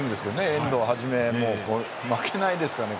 遠藤をはじめ負けないですからね。